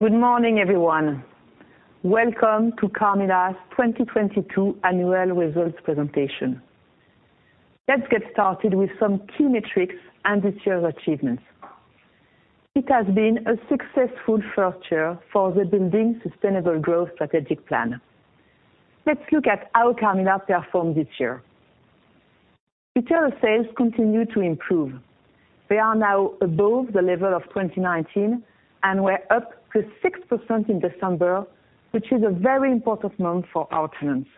Good morning, everyone. Welcome to Carmila's 2022 annual results presentation. Let's get started with some key metrics and this year's achievements. It has been a successful first year for the Building Sustainable Growth strategic plan. Let's look at how Carmila performed this year. Retail sales continue to improve. They are now above the level of 2019 and were up to 6% in December, which is a very important month for our tenants.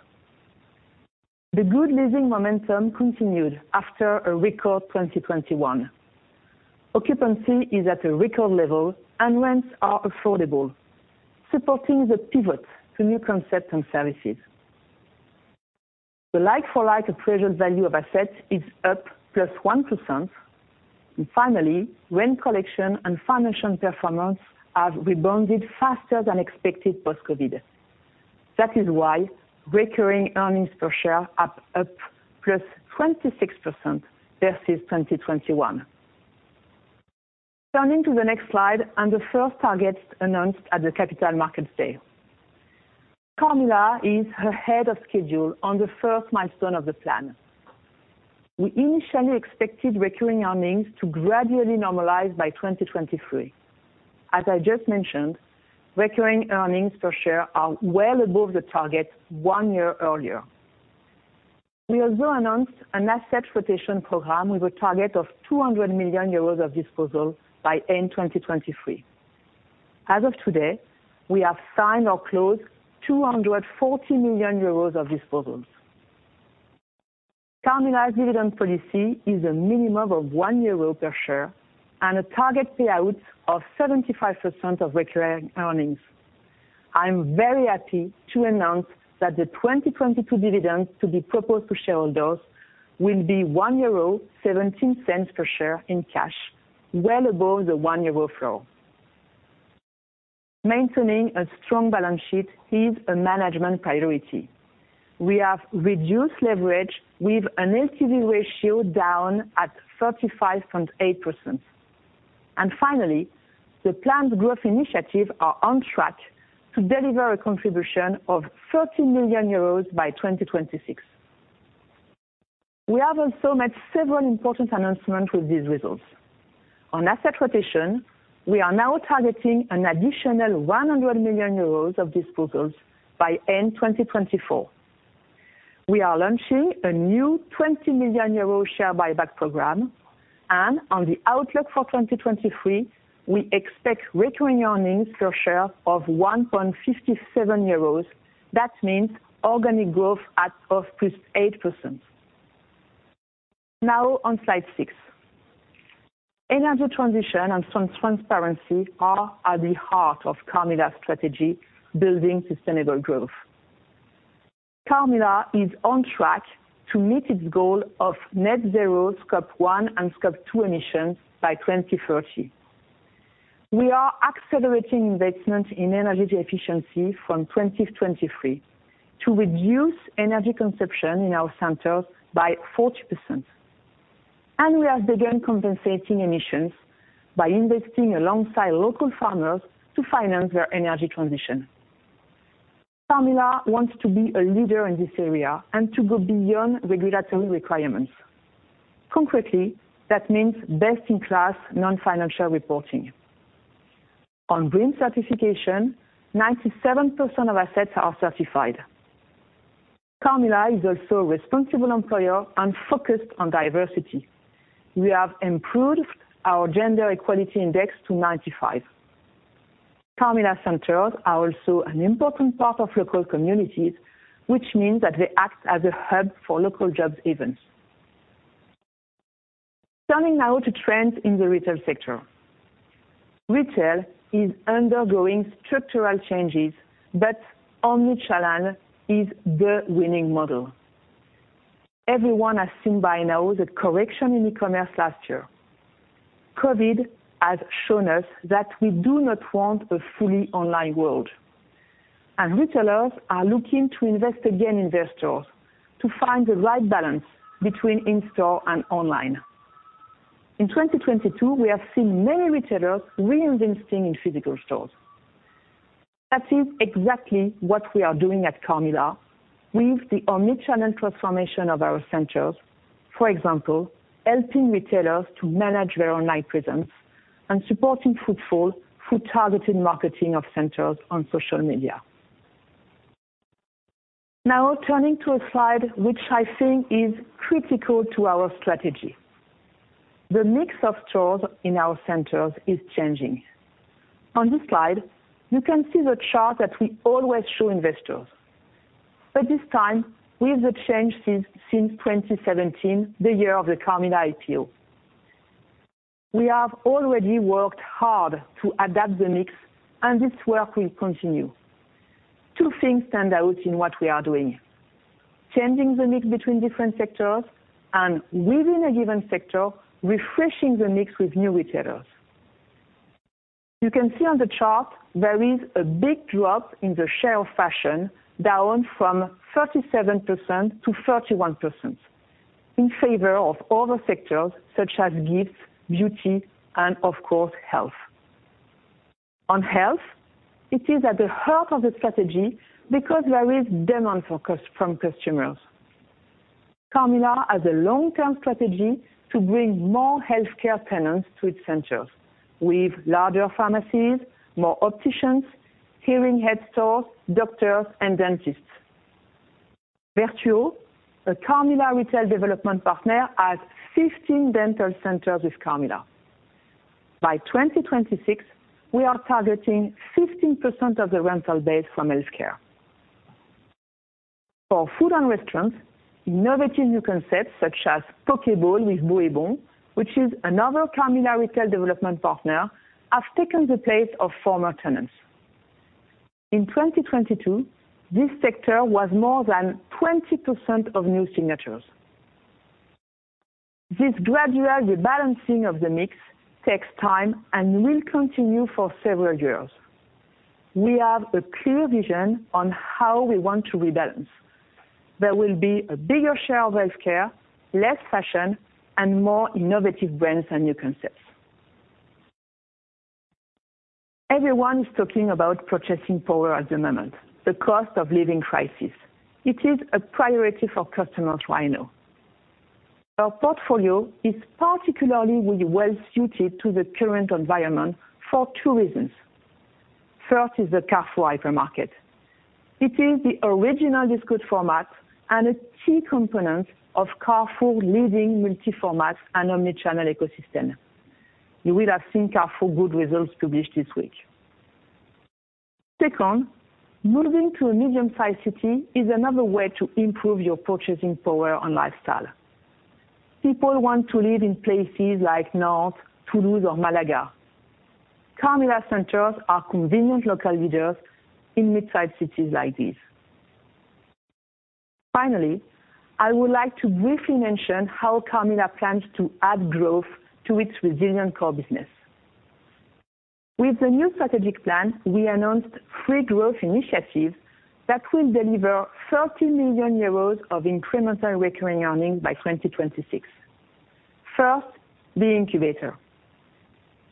The good leasing momentum continued after a record 2021. Occupancy is at a record level and rents are affordable, supporting the pivot to new concepts and services. The like-for-like appraisal value of assets is up +1%. Finally, rent collection and financial performance have rebounded faster than expected post-COVID. That is why recurring earnings per share are up +26% versus 2021. Turning to the next slide and the first targets announced at the Capital Markets Day. Carmila is ahead of schedule on the first milestone of the plan. We initially expected recurring earnings to gradually normalize by 2023. As I just mentioned, recurring earnings per share are well above the target one year earlier. We also announced an asset rotation program with a target of 200 million euros of disposal by end 2023. As of today, we have signed or closed 240 million euros of disposals. Carmila's dividend policy is a minimum of 1 euro per share and a target payout of 75% of recurring earnings. I'm very happy to announce that the 2022 dividend to be proposed to shareholders will be 1.17 euro per share in cash, well above the 1 euro floor. Maintaining a strong balance sheet is a management priority. We have reduced leverage with an LTV ratio down at 35.8%. Finally, the planned growth initiatives are on track to deliver a contribution of 30 million euros by 2026. We have also made several important announcements with these results. On asset rotation, we are now targeting an additional 100 million euros of disposals by end 2024. We are launching a new 20 million euro share buyback program. On the outlook for 2023, we expect recurring earnings per share of 1.57 euros. That means organic growth of +8%. On slide six. Energy transition and transparency are at the heart of Carmila's strategy, Building Sustainable Growth. Carmila is on track to meet its goal of net zero Scope one and Scope two emissions by 2030. We are accelerating investment in energy efficiency from 2023 to reduce energy consumption in our centers by 40%. We have begun compensating emissions by investing alongside local farmers to finance their energy transition. Carmila wants to be a leader in this area and to go beyond regulatory requirements. Concretely, that means best-in-class non-financial reporting. On green certification, 97% of assets are certified. Carmila is also a responsible employer and focused on diversity. We have improved our gender equality index to 95. Carmila centers are also an important part of local communities, which means that they act as a hub for local jobs even. Turning now to trends in the retail sector. Retail is undergoing structural changes but Omnichannel is the winning model. Everyone has seen by now the correction in e-commerce last year. COVID has shown us that we do not want a fully online world. Retailers are looking to invest again in their stores to find the right balance between in-store and online. In 2022, we have seen many retailers reinvesting in physical stores. That is exactly what we are doing at Carmila with the omnichannel transformation of our centers. For example, helping retailers to manage their online presence and supporting footfall through targeted marketing of centers on social media. Turning to a slide which I think is critical to our strategy. The mix of stores in our centers is changing. On this slide, you can see the chart that we always show investors. This time, with the change since 2017, the year of the Carmila IPO. We have already worked hard to adapt the mix, and this work will continue. Two things stand out in what we are doing. Changing the mix between different sectors and, within a given sector, refreshing the mix with new retailers. You can see on the chart there is a big drop in the share of fashion, down from 37% to 31%. In favor of other sectors such as gifts, beauty, and of course, health. On health, it is at the heart of the strategy because there is demand from customers. Carmila has a long-term strategy to bring more healthcare tenants to its centers with larger pharmacies, more opticians, hearing aid stores, doctors, and dentists. Vertuo, a Carmila Retail Development partner, has 15 dental centers with Carmila. By 2026, we are targeting 15% of the rental base from healthcare. For food and restaurants, innovative new concepts such as poke bowl with Bo&Boon, which is another Carmila Retail Development partner, have taken the place of former tenants. In 2022, this sector was more than 20% of new signatures. This gradual rebalancing of the mix takes time and will continue for several years. We have a clear vision on how we want to rebalance. There will be a bigger share of healthcare, less fashion, and more innovative brands and new concepts. Everyone is talking about purchasing power at the moment, the cost of living crisis. It is a priority for customers right now. Our portfolio is particularly well suited to the current environment for two reasons. First is the Carrefour Hypermarket. It is the original discount format and a key component of Carrefour leading multi-format and omni-channel ecosystem. You will have seen Carrefour good results published this week. Second, moving to a medium-sized city is another way to improve your purchasing power and lifestyle. People want to live in places like Nantes, Toulouse, or Malaga. Carmila centers are convenient local leaders in mid-sized cities like these. I would like to briefly mention how Carmila plans to add growth to its resilient core business. With the new strategic plan, we announced three growth initiatives that will deliver 30 million euros of incremental recurring earnings by 2026. First, the incubator.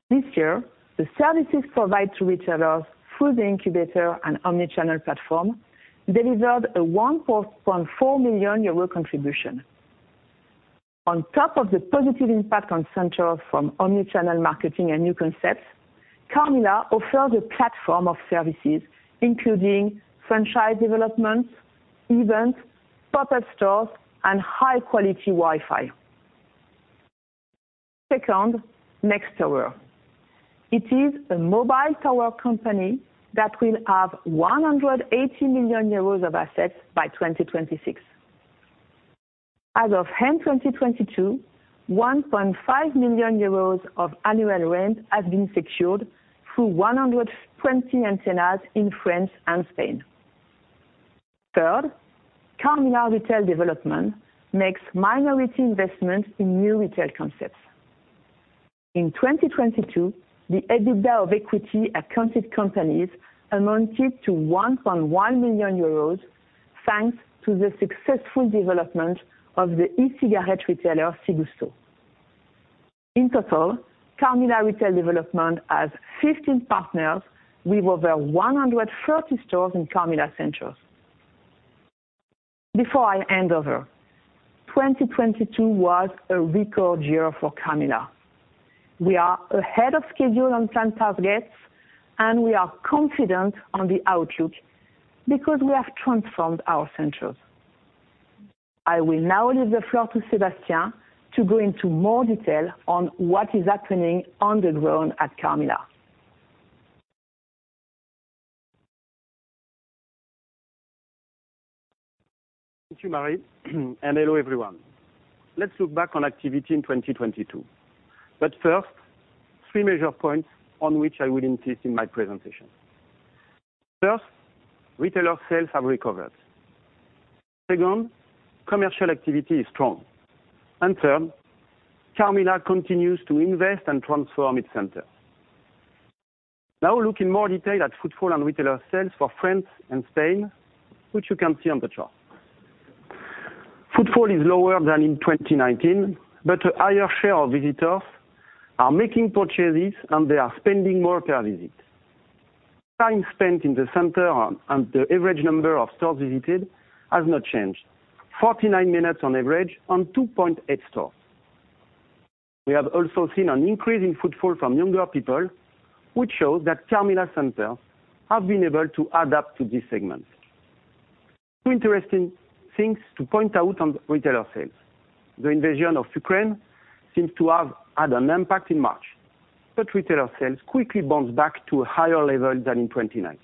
This year, the services provided to retailers through the incubator and omni-channel platform delivered a 1.4 million euro contribution. On top of the positive impact on centers from omni-channel marketing and new concepts, Carmila offers a platform of services, including franchise development, events, pop-up stores, and high quality Wi-Fi. Second, NexTower. It is a mobile tower company that will have 180 million euros of assets by 2026. As of end 2022, 1.5 million euros of annual rent has been secured through 120 antennas in France and Spain. Third, Carmila Retail Development makes minority investments in new retail concepts. In 2022, the EBITDA of equity accounted companies amounted to 1.1 million euros, thanks to the successful development of the e-cigarette retailer, Cigusto. In total, Carmila Retail Development has 15 partners with over 130 stores in Carmila centers. Before I hand over, 2022 was a record year for Carmila. We are ahead of schedule on plan targets, and we are confident on the outlook because we have transformed our centers. I will now leave the floor to Sébastien to go into more detail on what is happening on the ground at Carmila. Thank you, Marie. Hello, everyone. Let's look back on activity in 2022. First, three major points on which I will insist in my presentation. First, retailer sales have recovered. Second, commercial activity is strong. Third, Carmila continues to invest and transform its centers. Now look in more detail at footfall and retailer sales for France and Spain, which you can see on the chart. Footfall is lower than in 2019, but a higher share of visitors are making purchases, and they are spending more per visit. Time spent in the center and the average number of stores visited has not changed. 49 minutes on average on 2.8 stores. We have also seen an increase in footfall from younger people, which shows that Carmila centers have been able to adapt to this segment. Two interesting things to point out on retailer sales. The invasion of Ukraine seems to have had an impact in March. Retailer sales quickly bounced back to a higher level than in 2019.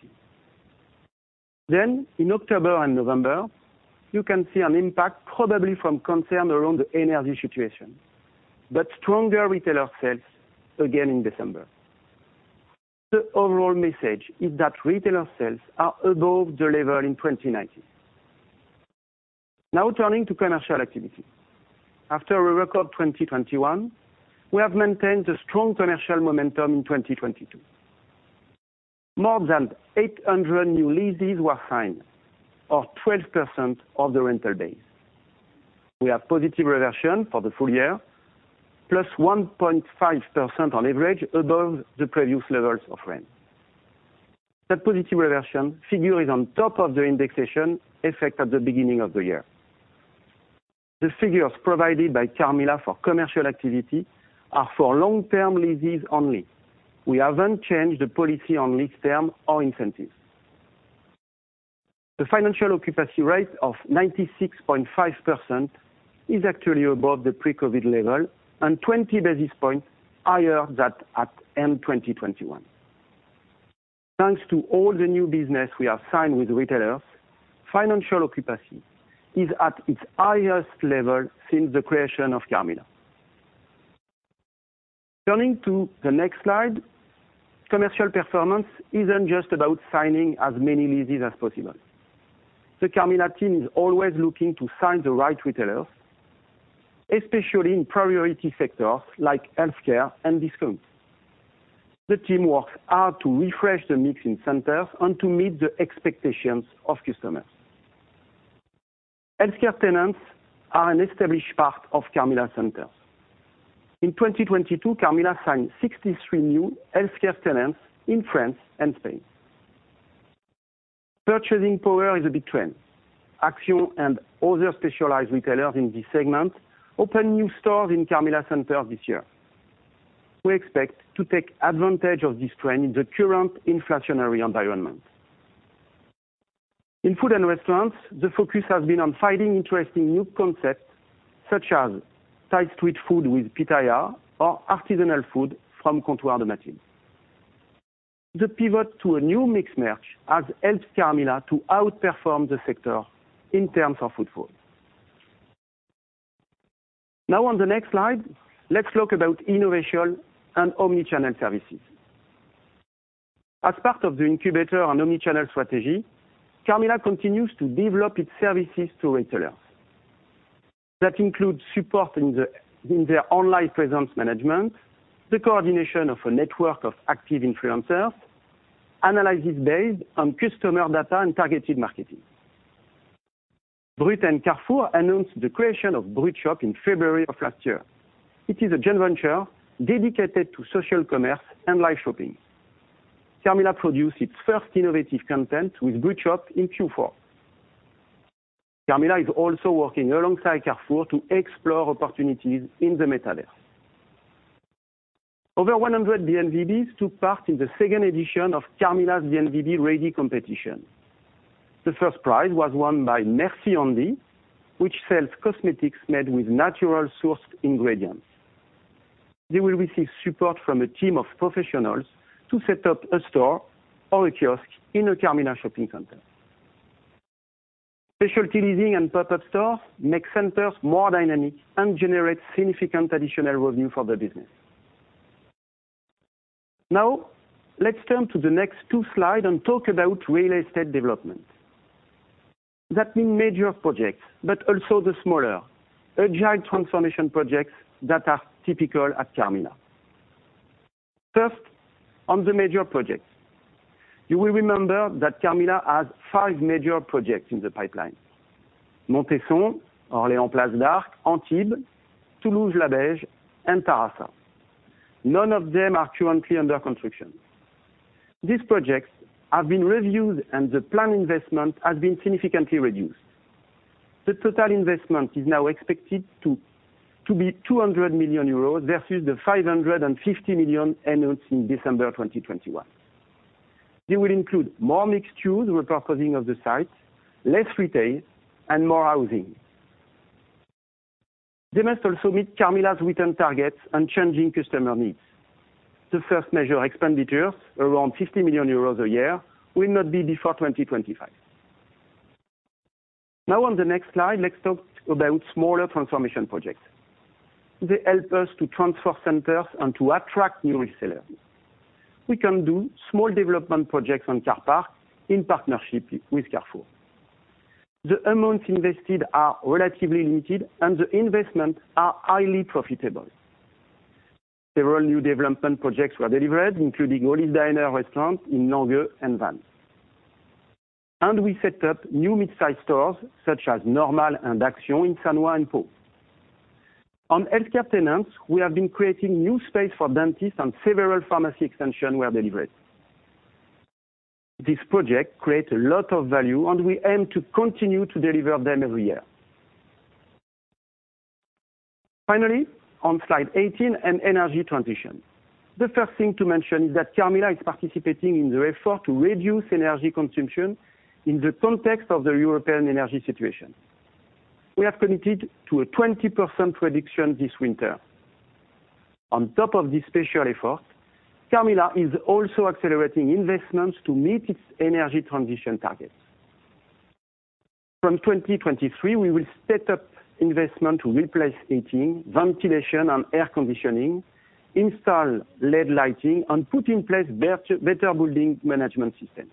In October and November, you can see an impact probably from concern around the energy situation, but stronger retailer sales again in December. The overall message is that retailer sales are above the level in 2019. Turning to commercial activity. After a record 2021, we have maintained a strong commercial momentum in 2022. More than 800 new leases were signed, or 12% of the rental base. We have positive reversion for the full year, +1.5% on average above the previous levels of rent. That positive reversion figure is on top of the indexation effect at the beginning of the year. The figures provided by Carmila for commercial activity are for long-term leases only. We haven't changed the policy on lease term or incentives. The financial occupancy rate of 96.5% is actually above the pre-COVID level and 20 basis points higher than at end 2021. Thanks to all the new business we have signed with retailers, financial occupancy is at its highest level since the creation of Carmila. Turning to the next slide, commercial performance isn't just about signing as many leases as possible. The Carmila team is always looking to sign the right retailers, especially in priority sectors like healthcare and discounts. The team works hard to refresh the mix in centers and to meet the expectations of customers. Healthcare tenants are an established part of Carmila centers. In 2022, Carmila signed 63 new healthcare tenants in France and Spain. Purchasing power is a big trend. Action and other specialized retailers in this segment opened new stores in Carmila centers this year. We expect to take advantage of this trend in the current inflationary environment. In food and restaurants, the focus has been on finding interesting new concepts, such as Thai street food with Pitaya or artisanal food from Comptoir de Mathilde. The pivot to a new mixed merch has helped Carmila to outperform the sector in terms of footfall. Now on the next slide, let's talk about innovation and omni-channel services. As part of the incubator and omni-channel strategy, Carmila continues to develop its services to retailers. That includes support in their online presence management, the coordination of a network of active influencers, analysis based on customer data and targeted marketing. Brut and Carrefour announced the creation of Brut Shop in February of last year. It is a joint venture dedicated to social commerce and live shopping. Carmila produced its first innovative content with Brut Shop in Q4. Carmila is also working alongside Carrefour to explore opportunities in the metaverse. Over 100 DNVBs took part in the second edition of Carmila's DNVB Ready competition. The first prize was won by Merci Handy, which sells cosmetics made with natural sourced ingredients. They will receive support from a team of professionals to set up a store or a kiosk in a Carmila shopping center. Specialty leasing and pop-up stores make centers more dynamic and generate significant additional revenue for the business. Let's turn to the next two slide and talk about real estate development. That means major projects, but also the smaller, agile transformation projects that are typical at Carmila. First, on the major projects. You will remember that Carmila has five major projects in the pipeline, Montesson, Orléans Place d'Arc, Antibes, Toulouse Labège, and Terrassa. None of them are currently under construction. These projects have been reviewed, and the planned investment has been significantly reduced. The total investment is now expected to be 200 million euros versus 550 million announced in December 2021. They will include more mixed use repurposing of the site, less retail, and more housing. They must also meet Carmila's return targets and changing customer needs. The first major expenditure, around 50 million euros a year, will not be before 2025. On the next slide, let's talk about smaller transformation projects. They help us to transform centers and to attract new retailers. We can do small development projects on car park in partnership with Carrefour. The amounts invested are relatively limited, and the investment are highly profitable. Several new development projects were delivered, including Olive Diner restaurant in Nangis and Vannes. We set up new midsize stores such as Normal and Action in Lescar and Pau. On healthcare tenants, we have been creating new space for dentists and several pharmacy extension were delivered. These projects create a lot of value, and we aim to continue to deliver them every year. Finally, on slide 18, an energy transition. The first thing to mention is that Carmila is participating in the effort to reduce energy consumption in the context of the European energy situation. We have committed to a 20% reduction this winter. On top of this special effort, Carmila is also accelerating investments to meet its energy transition targets. From 2023, we will step up investment to replace heating, ventilation, and air conditioning, install LED lighting, and put in place better building management systems.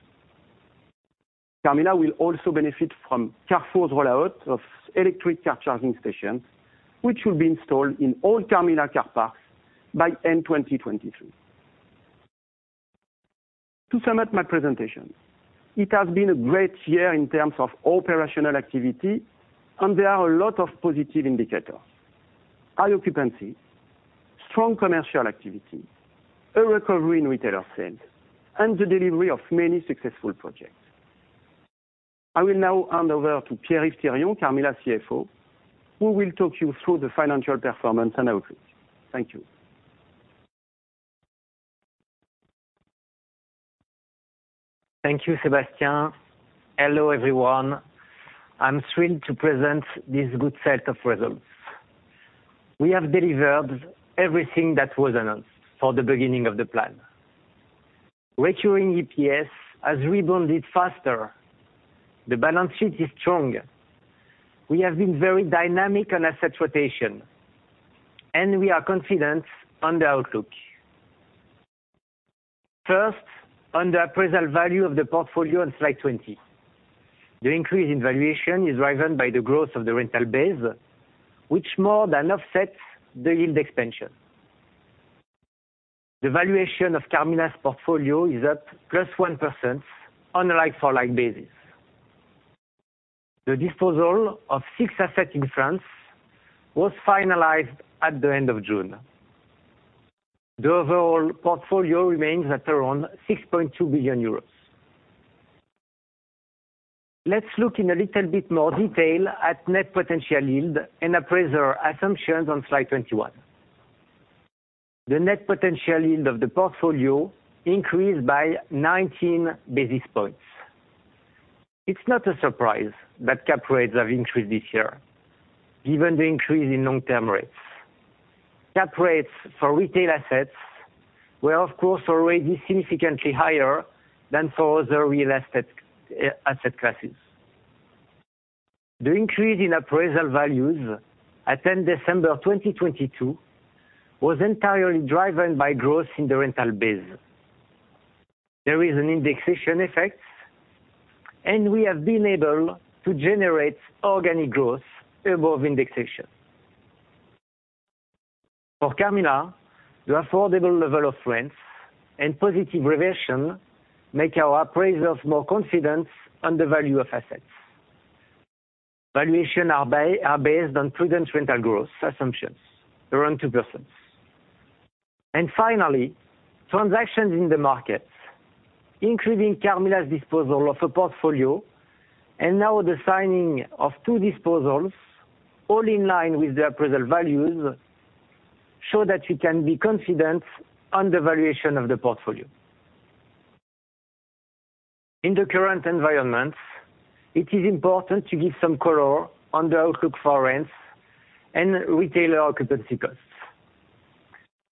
Carmila will also benefit from Carrefour's rollout of electric car charging stations, which will be installed in all Carmila car parks by end 2023. To sum up my presentation, it has been a great year in terms of operational activity, there are a lot of positive indicators. High occupancy, strong commercial activity, a recovery in retailer sales, and the delivery of many successful projects. I will now hand over to Pierre-Yves Thirion, Carmila CFO, who will talk you through the financial performance and outlook. Thank you. Thank you, Sébastien. Hello, everyone. I'm thrilled to present this good set of results. We have delivered everything that was announced for the beginning of the plan. Recurring EPS has rebounded faster. The balance sheet is stronger. We have been very dynamic on asset rotation. We are confident on the outlook. First, on the appraisal value of the portfolio on slide 20. The increase in valuation is driven by the growth of the rental base, which more than offsets the yield expansion. The valuation of Carmila's portfolio is up +1% on a like-for-like basis. The disposal of six assets in France was finalized at the end of June. The overall portfolio remains at around 6.2 billion euros. Let's look in a little bit more detail at net potential yield and appraiser assumptions on slide 21. The net potential yield of the portfolio increased by 19 basis points. It's not a surprise that cap rates have increased this year given the increase in long-term rates. Cap rates for retail assets were, of course, already significantly higher than for other real estate asset classes. The increase in appraisal values at end December 2022 was entirely driven by growth in the rental base. There is an indexation effect. We have been able to generate organic growth above indexation. For Carmila, the affordable level of rents and positive revision make our appraisers more confident on the value of assets. Valuation are based on prudent rental growth assumptions, around 2%. Finally, transactions in the market, including Carmila's disposal of a portfolio and now the signing of two disposals, all in line with the appraisal values, show that we can be confident on the valuation of the portfolio. In the current environment, it is important to give some color on the outlook for rents and retailer occupancy costs.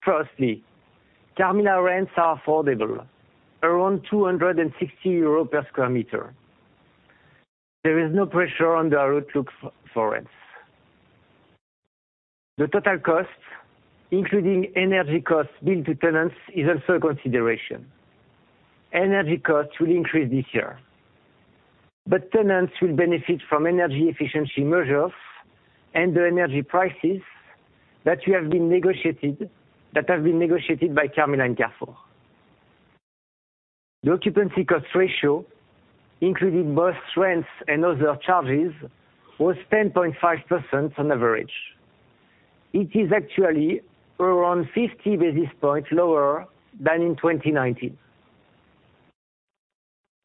Firstly, Carmila rents are affordable, around 260 euros per square meter. There is no pressure on the outlook for rents. The total cost, including energy costs billed to tenants, is also a consideration. Tenants will benefit from energy efficiency measures and the energy prices that have been negotiated by Carmila and Carrefour. The occupancy cost ratio, including both rents and other charges, was 10.5% on average. It is actually around 50 basis points lower than in 2019.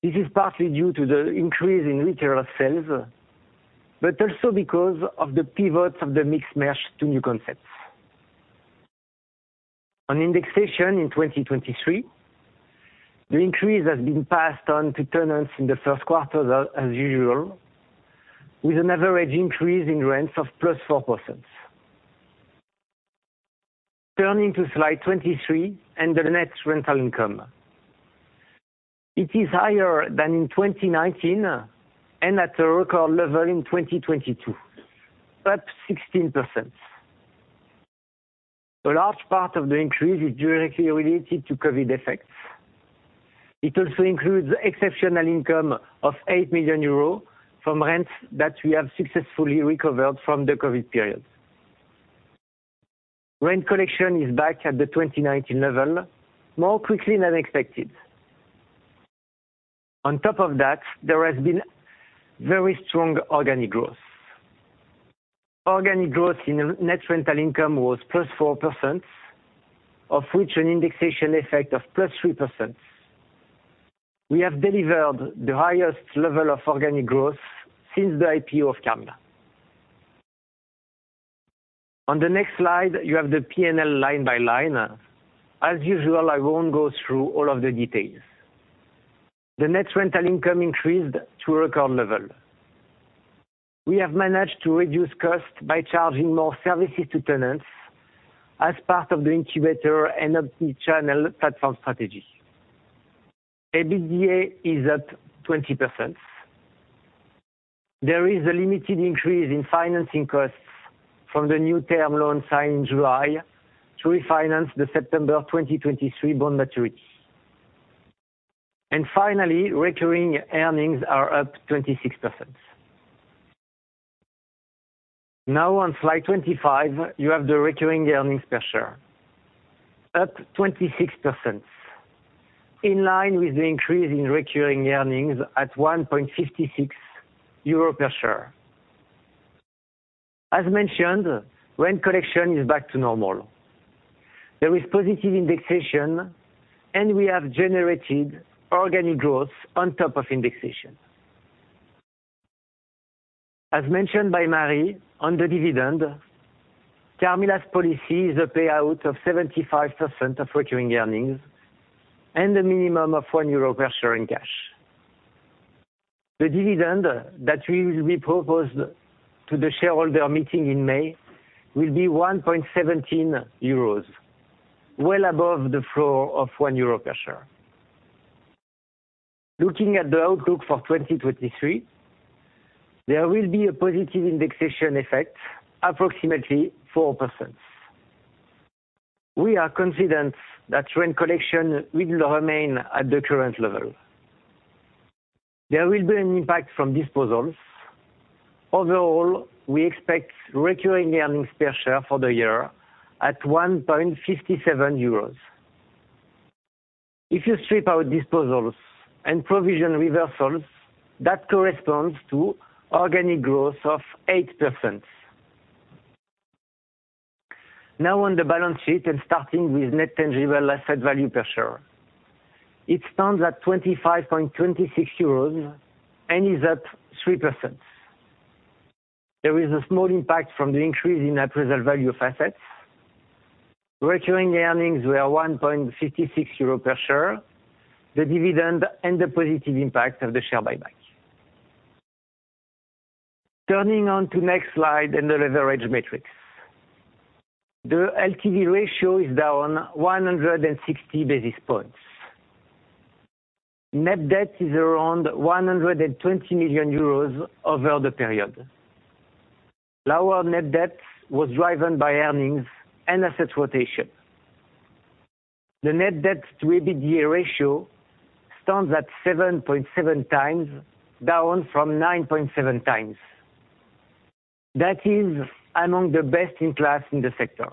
This is partly due to the increase in retailer sales, but also because of the pivot of the mixed merch to new concepts. On indexation in 2023, the increase has been passed on to tenants in the first quarter as usual, with an average increase in rents of +4%. Turning to slide 23 and the net rental income. It is higher than in 2019 and at a record level in 2022, up 16%. A large part of the increase is directly related to COVID effects. It also includes exceptional income of 8 million euros from rents that we have successfully recovered from the COVID period. Rent collection is back at the 2019 level, more quickly than expected. On top of that, there has been very strong organic growth. Organic growth in net rental income was +4%, of which an indexation effect of +3%. We have delivered the highest level of organic growth since the IPO of Carmila. On the next slide, you have the P&L line by line. As usual, I won't go through all of the details. The net rental income increased to a record level. We have managed to reduce costs by charging more services to tenants as part of the incubator and omni-channel platform strategy. EBITDA is up 20%. There is a limited increase in financing costs from the new term loan signed in July to refinance the September 2023 bond maturity. Finally, recurring earnings are up 26%. Now on slide 25, you have the recurring earnings per share up 26%, in line with the increase in recurring earnings at 1.56 euro per share. As mentioned, rent collection is back to normal. There is positive indexation, and we have generated organic growth on top of indexation. As mentioned by Marie on the dividend, Carmila's policy is a payout of 75% of recurring earnings and a minimum of 1 euro per share in cash. The dividend that we will be proposed to the shareholder meeting in May will be 1.17 euros, well above the floor of 1 euro per share. Looking at the outlook for 2023, there will be a positive indexation effect, approximately 4%. We are confident that rent collection will remain at the current level. There will be an impact from disposals. Overall, we expect recurring earnings per share for the year at 1.57 euros. If you strip out disposals and provision reversals, that corresponds to organic growth of 8%. On the balance sheet and starting with net tangible asset value per share. It stands at 25.26 euros and is up 3%. There is a small impact from the increase in appraisal value of assets. Recurring earnings were 1.56 euro per share, the dividend, and the positive impact of the share buyback. Turning on to next slide and the leverage metrics. The LTV ratio is down 160 basis points. Net debt is around 120 million euros over the period. Lower net debt was driven by earnings and assets rotation. The net debt to EBITDA ratio stands at 7.7x, down from 9.7x. That is among the best in class in the sector.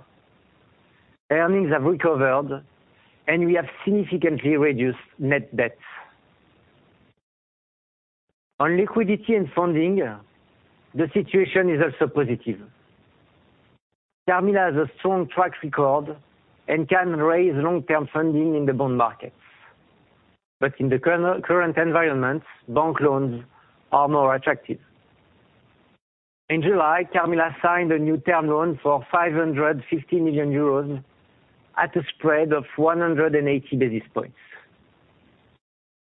Earnings have recovered, and we have significantly reduced net debt. On liquidity and funding, the situation is also positive. Carmila has a strong track record and can raise long-term funding in the bond markets. In the current environment, bank loans are more attractive. In July, Carmila signed a new term loan for 550 million euros at a spread of 180 basis points.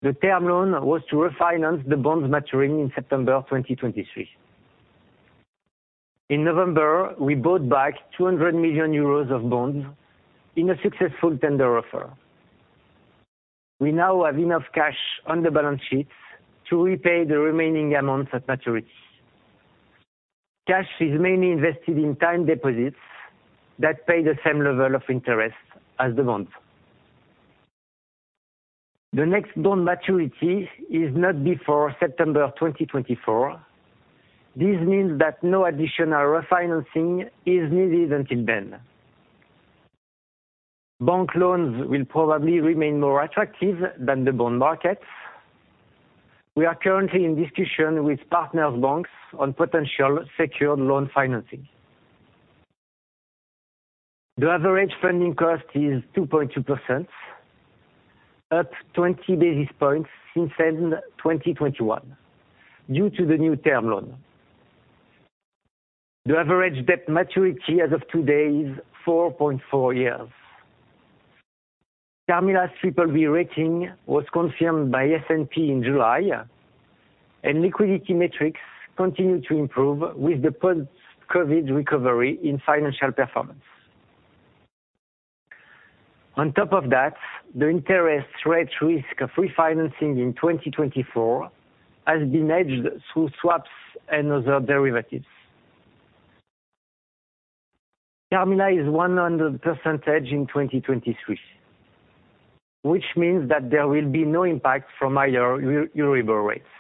The term loan was to refinance the bonds maturing in September 2023. In November, we bought back 200 million euros of bonds in a successful tender offer. We now have enough cash on the balance sheet to repay the remaining amounts at maturity. Cash is mainly invested in time deposits that pay the same level of interest as the bonds. The next bond maturity is not before September 2024. This means that no additional refinancing is needed until then. Bank loans will probably remain more attractive than the bond markets. We are currently in discussion with partner banks on potential secured loan financing. The average funding cost is 2.2%, up 20 basis points since end 2021 due to the new term loan. The average debt maturity as of today is 4.4 years. Carmila's BBB rating was confirmed by S&P in July, and liquidity metrics continue to improve with the post-COVID recovery in financial performance. On top of that, the interest rate risk of refinancing in 2024 has been hedged through swaps and other derivatives. Carmila is 100% in 2023, which means that there will be no impact from higher Euribor rates.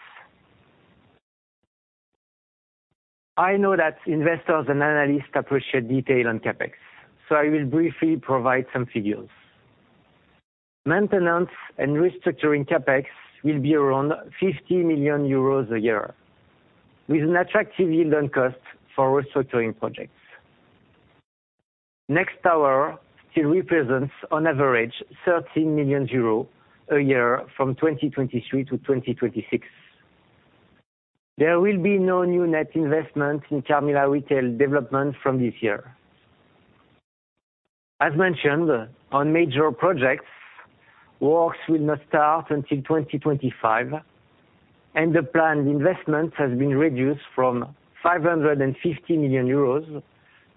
I know that investors and analysts appreciate detail on CapEx, I will briefly provide some figures. Maintenance and restructuring CapEx will be around 50 million euros a year, with an attractive yield on cost for restructuring projects. NexTower still represents on average 13 million euros a year from 2023 to 2026. There will be no new net investment in Carmila Retail Development from this year. As mentioned, on major projects, works will not start until 2025, and the planned investment has been reduced from 550 million euros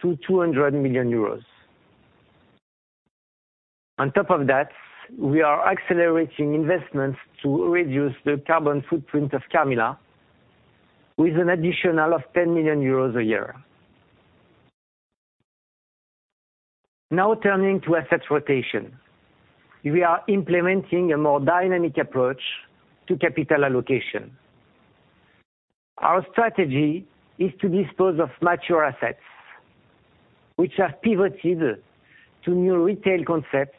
to 200 million euros. On top of that, we are accelerating investments to reduce the carbon footprint of Carmila with an additional of 10 million euros a year. Turning to asset rotation. We are implementing a more dynamic approach to capital allocation. Our strategy is to dispose of mature assets which have pivoted to new retail concepts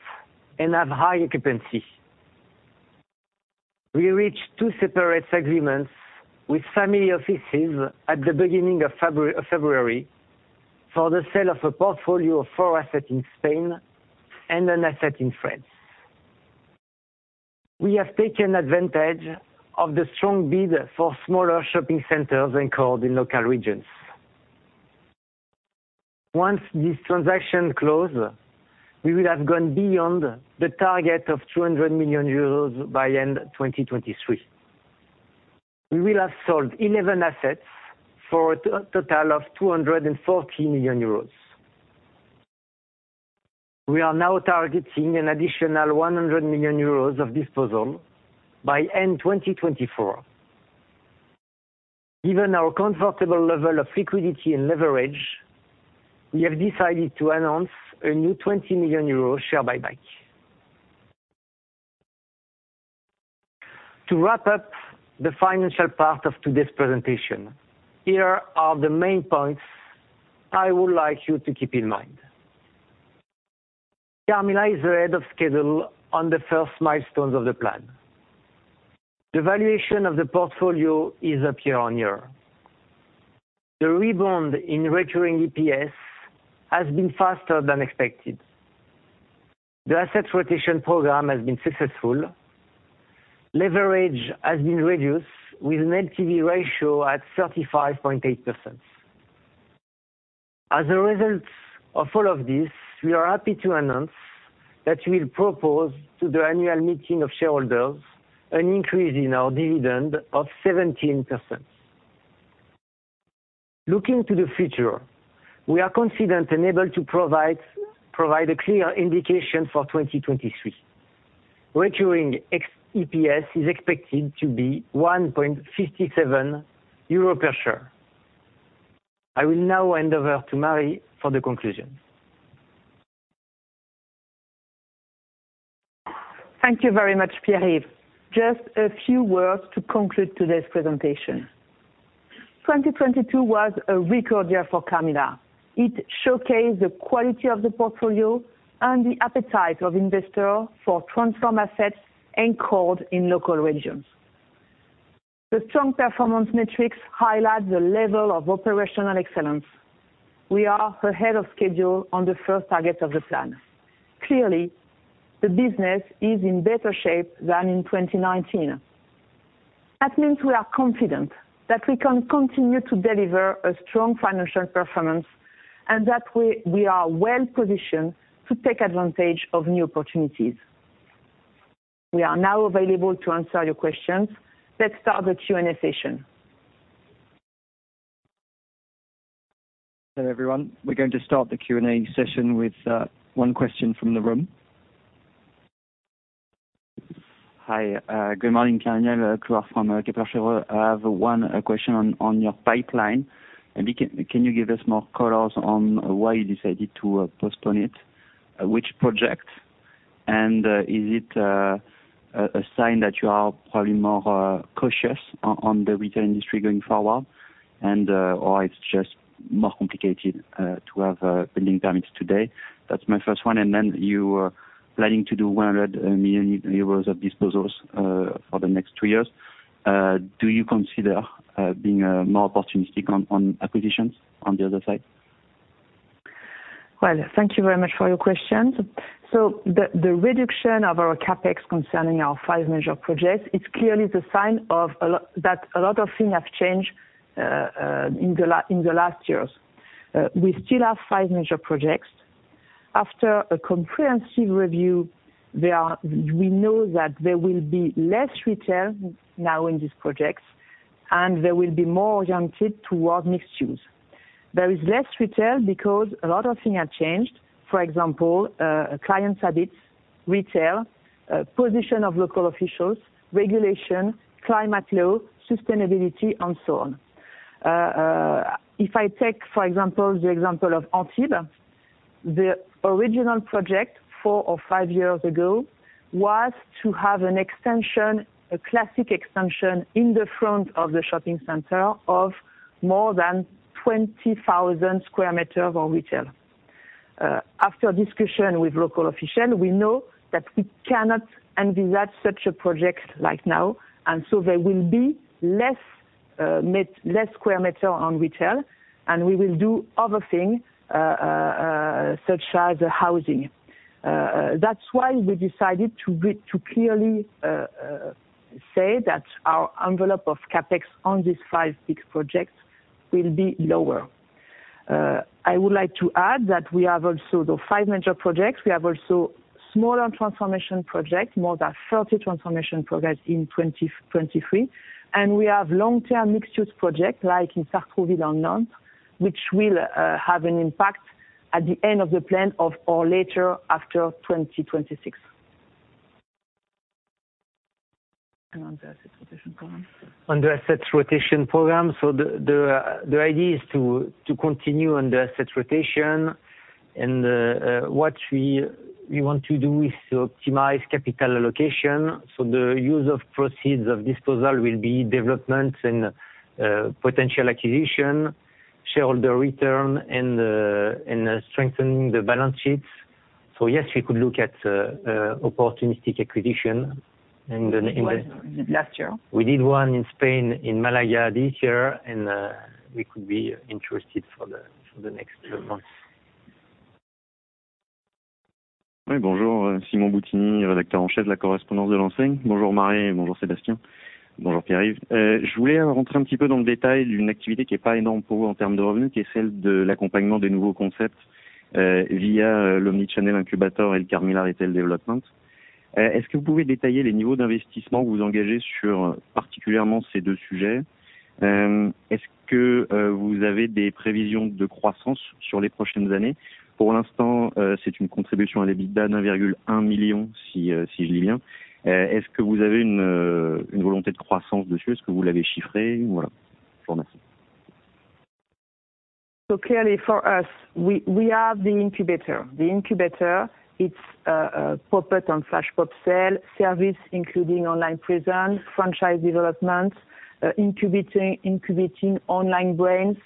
and have high occupancy. We reached two separate agreements with family offices at the beginning of February for the sale of a portfolio of four assets in Spain and an asset in France. We have taken advantage of the strong bid for smaller shopping centers anchored in local regions. Once this transaction close, we will have gone beyond the target of 200 million euros by end 2023. We will have sold 11 assets for a total of 240 million euros. We are now targeting an additional 100 million euros of disposal by end 2024. Given our comfortable level of liquidity and leverage, we have decided to announce a new 20 million euro share buyback. To wrap up the financial part of today's presentation, here are the main points I would like you to keep in mind. Carmila is ahead of schedule on the first milestones of the plan. The valuation of the portfolio is up year-on-year. The rebound in recurring EPS has been faster than expected. The asset rotation program has been successful. Leverage has been reduced with an LTV ratio at 35.8%. As a result of all of this, we are happy to announce that we'll propose to the annual meeting of shareholders an increase in our dividend of 17%. Looking to the future, we are confident and able to provide a clear indication for 2023. Recurring EPS is expected to be 1.57 euro per share. I will now hand over to Marie for the conclusion. Thank you very much, Pierre-Yves. Just a few words to conclude today's presentation. 2022 was a record year for Carmila. It showcased the quality of the portfolio and the appetite of investor for transform assets anchored in local regions. The strong performance metrics highlight the level of operational excellence. We are ahead of schedule on the first target of the plan. Clearly, the business is in better shape than in 2019. That means we are confident that we can continue to deliver a strong financial performance and that we are well-positioned to take advantage of new opportunities. We are now available to answer your questions. Let's start the Q&A session. Hello, everyone. We're going to start the Q&A session with, one question from the room. Hi, good morning, Carmila. Claire from Kepler Cheuvreux. I have one question on your pipeline, can you give us more colors on why you decided to postpone it? Which project? Is it a sign that you are probably more cautious on the retail industry going forward or it's just more complicated to have building permits today? That's my first one. You are planning to do 100 million euros of disposals for the next two years. Do you consider being more opportunistic on acquisitions on the other side? Thank you very much for your questions. The reduction of our CapEx concerning our five major projects is clearly the sign that a lot of things have changed in the last years. We still have five major projects. After a comprehensive review, we know that there will be less retail now in these projects, and they will be more oriented toward mixed use. There is less retail because a lot of things have changed. For example, clients habits, retail, position of local officials, regulation, climate law, sustainability, and so on. If I take, for example, the example of Antibes, the original project four or five years ago was to have an extension, a classic extension in the front of the shopping center of more than 20,000 square meter of our retail. After discussion with local official, we know that we cannot envisage such a project right now, and so there will be less square meter on retail, and we will do other thing such as housing. That's why we decided to clearly say that our envelope of CapEx on these five big projects will be lower. I would like to add that we have also the five major projects. We have also smaller transformation projects, more than 30 transformation projects in 2023. We have long-term mixed-use projects, like in Sartrouville Hanlon, which will have an impact at the end of the plan of or later after 2026. On the assets rotation program. On the assets rotation program. The idea is to continue on the assets rotation and what we want to do is to optimize capital allocation. The use of proceeds of disposal will be developments and potential acquisition, shareholder return and strengthening the balance sheets. Yes, we could look at opportunistic acquisition in the. You did one last year. We did one in Spain, in Málaga this year and we could be interested for the next 12 months. Clearly for us, we are the incubator. The incubator, it's pop-up and flash pop sale, service including online presence, franchise development, incubating online brands,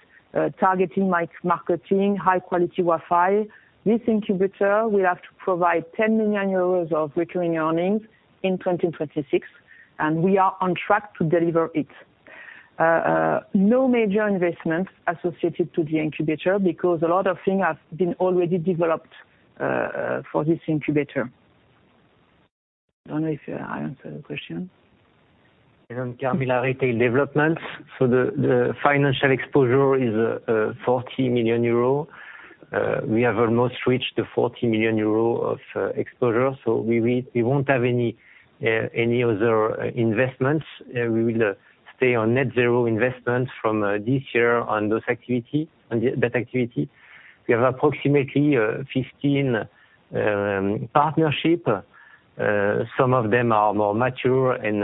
targeting marketing, high quality Wi-Fi. This incubator will have to provide 10 million euros of recurring earnings in 2026, and we are on track to deliver it. No major investments associated to the incubator because a lot of things have been already developed for this incubator. I don't know if I answered the question. On Carmila Retail Developments, the financial exposure is 40 million euro. We have almost reached the 40 million euro of exposure. We won't have any other investments. We will stay on net zero investments from this year on that activity. We have approximately 15 partnership. Some of them are more mature and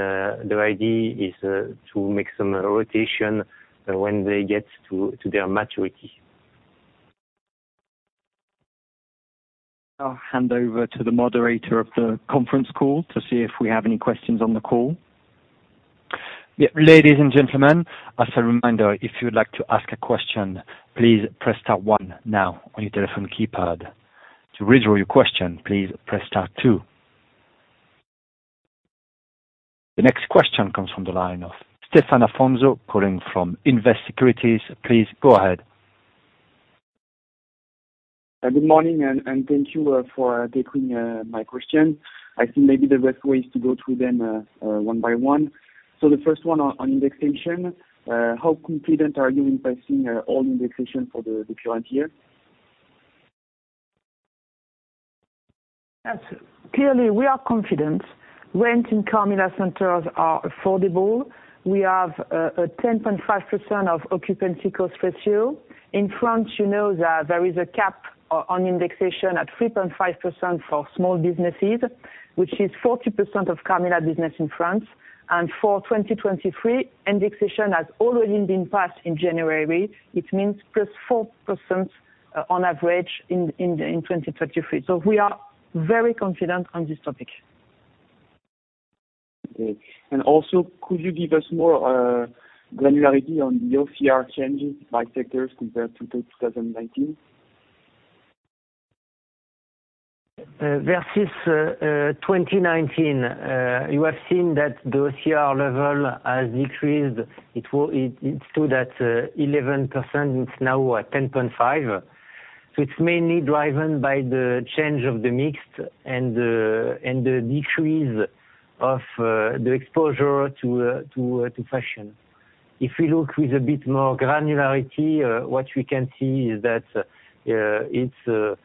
the idea is to make some rotation when they get to their maturity. I'll hand over to the moderator of the conference call to see if we have any questions on the call. Yeah. Ladies and gentlemen, as a reminder, if you would like to ask a question, please press star one now on your telephone keypad. To withdraw your question, please press star two. The next question comes from the line of Stéphane Alfonso, calling from Invest Securities. Please go ahead. Good morning and thank you for taking my question. I think maybe the best way is to go through them one by one. The first one on indexation. How confident are you in passing all indexation for the current year? Yes. Clearly we are confident. Rent in Carmila centers are affordable. We have a 10.5% of occupancy cost ratio. In France, you know that there is a cap on indexation at 3.5% for small businesses, which is 40% of Carmila business in France. For 2023, indexation has already been passed in January. It means +4% on average in the 2023. We are very confident on this topic. Okay. Also could you give us more granularity on the OCR changes by sectors compared to 2019? Versus 2019, you have seen that the OCR level has decreased. It stood at 11%. It's now at 10.5%. It's mainly driven by the change of the mix and the decrease of the exposure to fashion. If we look with a bit more granularity, what we can see is that it's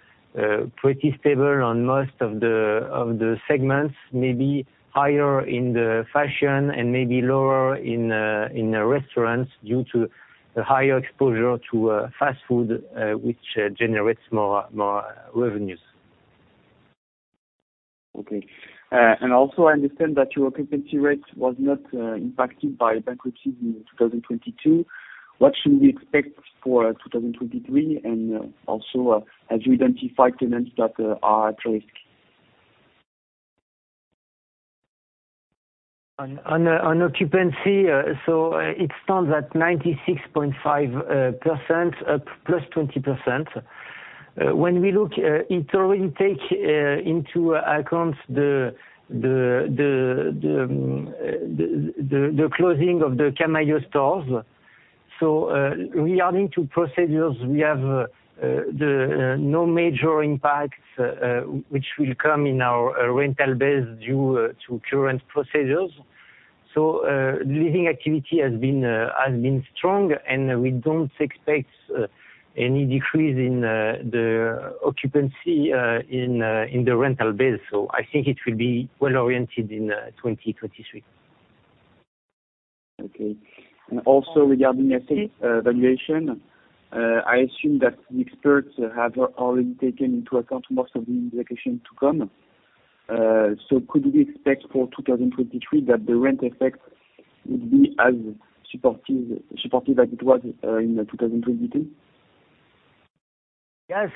pretty stable on most of the segments, maybe higher in the fashion and maybe lower in the restaurants due to the higher exposure to fast food, which generates more revenues. Okay. Also I understand that your occupancy rate was not impacted by bankruptcies in 2022. What should we expect for 2023? Also, have you identified tenants that are at risk? On occupancy, it stands at 96.5% plus 20%. When we look, it already take into account the closing of the Camaïeu stores. Regarding to procedures, we have no major impacts which will come in our rental base due to current procedures. The living activity has been strong, and we don't expect any decrease in the occupancy in the rental base. I think it will be well oriented in 2023. Okay. Also regarding assets, valuation, I assume that the experts have already taken into account most of the indexation to come. Could we expect for 2023 that the rent effect would be as supportive as it was in 2022? Yes,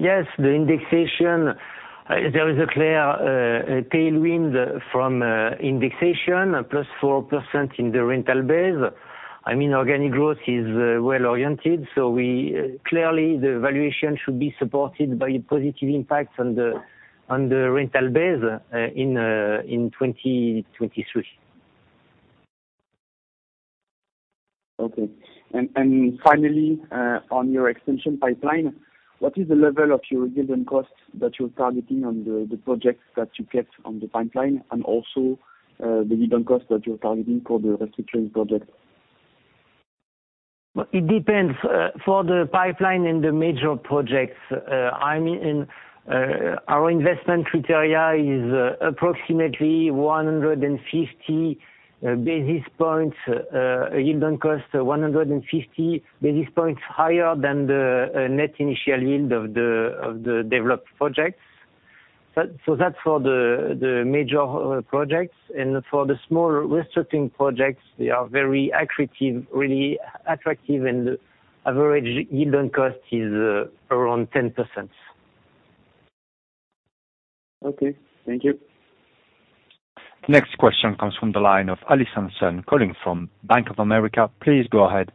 yes. The indexation, there is a clear tailwind from indexation, +4% in the rental base. I mean, organic growth is well-oriented. Clearly, the valuation should be supported by positive impacts on the rental base in 2023. Okay. Finally, on your extension pipeline, what is the level of your given costs that you're targeting on the projects that you kept on the pipeline and also, the given cost that you're targeting for the restructuring project? It depends. For the pipeline and the major projects, I'm in, our investment criteria is approximately 150 basis points, yield on cost, 150 basis points higher than the net initial yield of the, of the developed projects. That's for the major projects. For the smaller restructuring projects, they are very attractive, really attractive, and average yield on cost is around 10%. Okay. Thank you. Next question comes from the line of Allison Sun calling from Bank of America. Please go ahead.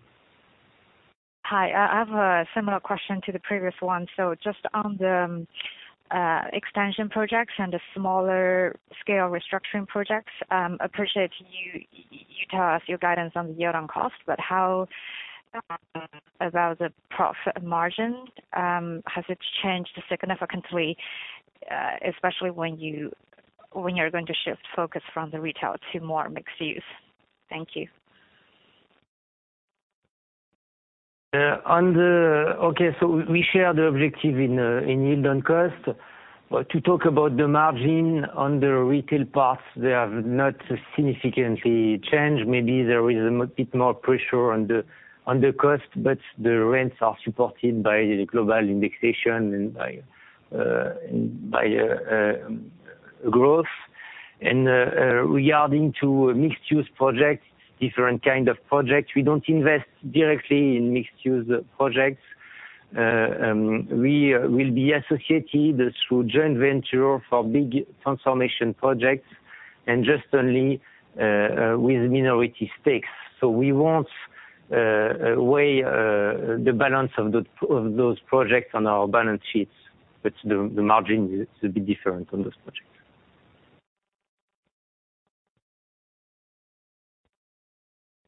Hi. I have a similar question to the previous one. Just on the extension projects and the smaller scale restructuring projects, appreciate you tell us your guidance on the year on cost. How about the profit margin, has it changed significantly, especially when you're going to shift focus from the retail to more mixed use? Thank you. We share the objective in yield on cost. To talk about the margin on the retail parts, they have not significantly changed. Maybe there is a bit more pressure on the cost, but the rents are supported by the global indexation and by growth. Regarding to mixed use projects, different kind of projects, we don't invest directly in mixed use projects. We will be associated through joint venture for big transformation projects and just only with minority stakes. We won't weigh the balance of those projects on our balance sheets, but the margin will be different on those projects.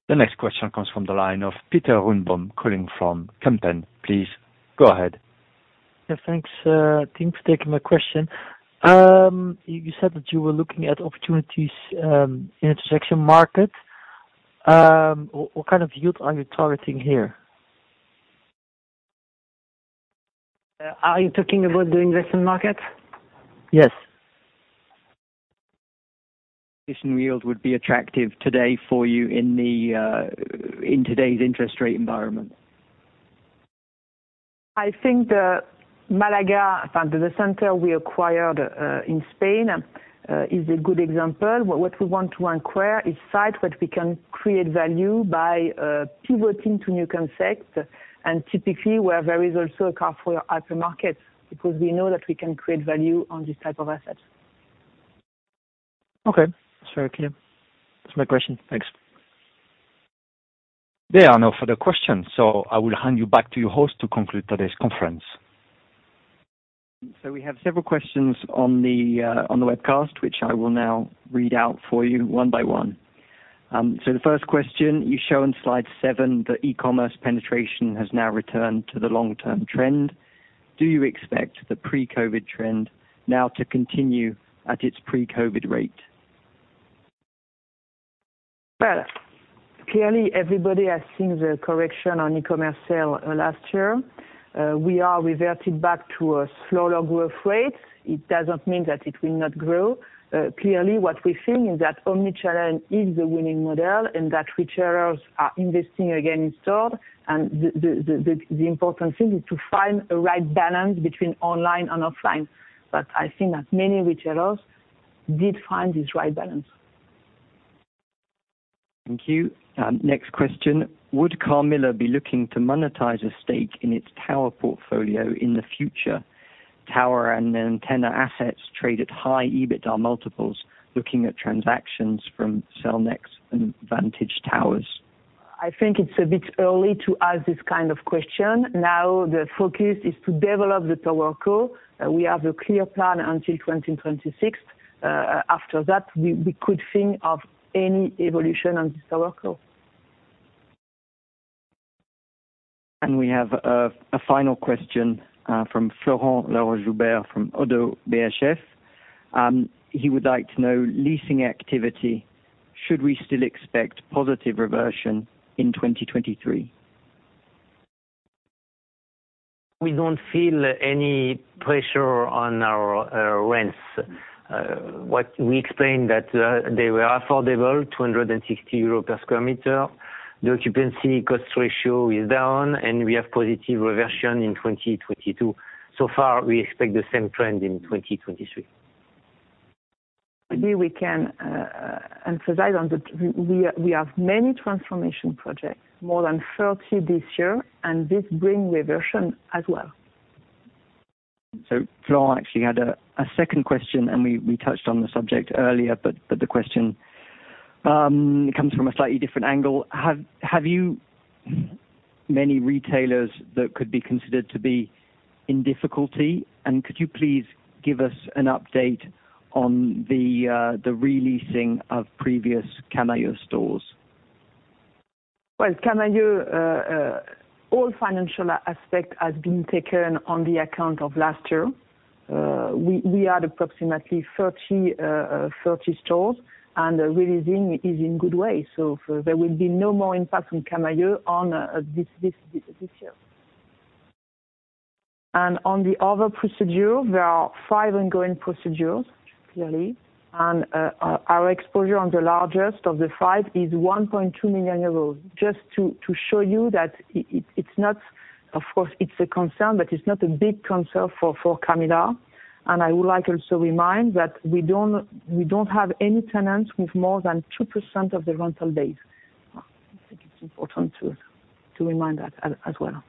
The next question comes from the line of Pieter Runboom, calling from Kempen. Please go ahead. Thanks, team, for taking my question. You said that you were looking at opportunities in intersection market. What kind of yield are you targeting here? Are you talking about the investment market? Yes. Additional yield would be attractive today for you in the in today's interest rate environment. I think the Malaga, in fact, the center we acquired, in Spain, is a good example. What we want to acquire is site that we can create value by pivoting to new concept, and typically where there is also a Carrefour hypermarket, because we know that we can create value on this type of asset. Okay. It's very clear. That's my question. Thanks. There are no further questions, so I will hand you back to your host to conclude today's conference. We have several questions on the webcast, which I will now read out for you one by one. The first question, you show in slide 7 that e-commerce penetration has now returned to the long-term trend. Do you expect the pre-COVID trend now to continue at its pre-COVID rate? Well, clearly everybody has seen the correction on e-commerce sale last year. We are reverted back to a slower growth rate. It doesn't mean that it will not grow. Clearly, what we think is that omni-channel is the winning model and that retailers are investing again in store. The important thing is to find a right balance between online and offline. I think that many retailers did find this right balance. Thank you. Next question. Would Carmila be looking to monetize a stake in its tower portfolio in the future? Tower and antenna assets trade at high EBITDA multiples, looking at transactions from Cellnex and Vantage Towers. I think it's a bit early to ask this kind of question. Now, the focus is to develop the tower core. We have a clear plan until 2026. After that, we could think of any evolution on this tower core. We have a final question from Florent Laroche-Joubert from ODDO BHF. He would like to know, leasing activity, should we still expect positive reversion in 2023? We don't feel any pressure on our rents. What we explained that they were affordable, 260 euros per square meter. The occupancy cost ratio is down, and we have positive reversion in 2022. We expect the same trend in 2023. Here we can emphasize. We have many transformation projects, more than 30 this year, this bring reversion as well. Florent actually had a second question, and we touched on the subject earlier, but the question comes from a slightly different angle. Have you many retailers that could be considered to be in difficulty, and could you please give us an update on the re-leasing of previous Camaïeu stores? Camaïeu, all financial aspect has been taken on the account of last year. We had approximately 30 stores, re-leasing is in good way. There will be no more impact on Camaïeu on this year. On the other procedure, there are five ongoing procedures, clearly. Our exposure on the largest of the five is 1.2 million euros. Just to show you that it's not, of course, it's a concern, but it's not a big concern for Carmila. I would like also remind that we don't have any tenants with more than 2% of the rental base. I think it's important to remind that as well.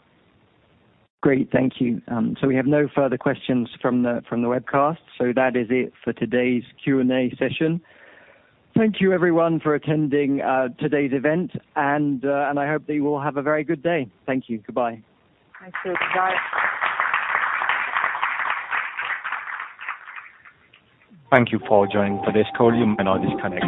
Great. Thank you. We have no further questions from the webcast. That is it for today's Q&A session. Thank you everyone for attending today's event, and I hope that you will have a very good day. Thank you. Goodbye. Thank you. Bye. Thank you for joining today's call. You may now disconnect.